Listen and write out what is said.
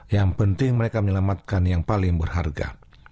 yang penting mereka menyelamatkan yang paling berharga